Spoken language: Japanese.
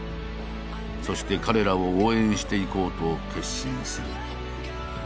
そして彼らを応援していこうと決心する。